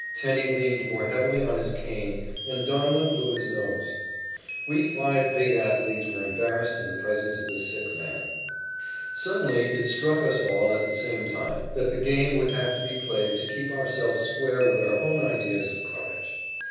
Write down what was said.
Tenney leaned more heavily on his cane, and Donlin blew his nose. We five big athletes were embarrassed in the presence of this sick man. Suddenly it struck us all at the same time that the game would have to be played to keep ourselves square with our own ideas of courage.